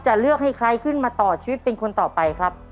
จะเลือกให้ใครขึ้นมาต่อชีวิตเป็นคนต่อไปครับ